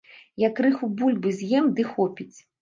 Я крыху бульбы з'ем ды хопіць.